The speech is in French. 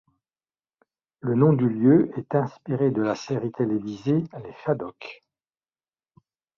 Le nom du lieu est inspiré de la série télévisée Les Shadoks.